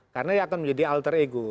karena dia akan menjadi alter ego